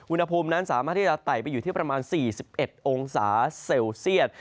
อุณหภูมินั้นสามารถที่จะไต่ไปอยู่ที่ประมาณ๔๑องศาเซลเซียต